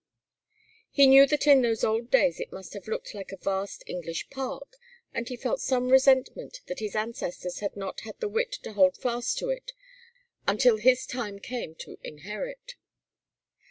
He knew that in those old days it must have looked like a vast English park, and he felt some resentment that his ancestors had not had the wit to hold fast to it until his time came to inherit.